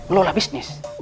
lo lah bisnis